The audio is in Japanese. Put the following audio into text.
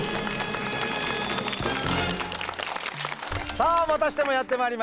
さあまたしてもやってまいりました。